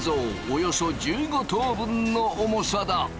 およそ１５頭分の重さだ！